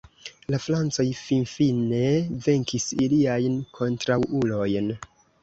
La Francoj finfine venkis iliajn kontraŭulojn.